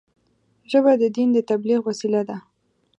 ژبه د دین د تبلیغ وسیله ده